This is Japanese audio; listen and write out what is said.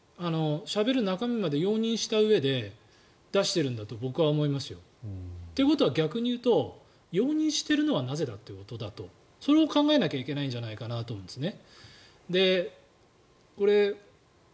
しゃべる中身まで容認したうえで出しているんだと僕は思いますよ。ということは逆に言うと容認しているのはなぜだということをそれを考えなきゃいけないんじゃないかなと思うんですね。